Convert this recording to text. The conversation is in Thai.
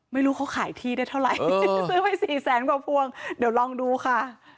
ไม่รู้เขาขายที่ได้เท่าไหร่ซื้อไปสี่แสนกว่าพวงเดี๋ยวลองดูค่ะ